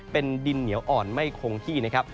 เป็นดินเหนียวอ่อนไม่คงที่นะครับ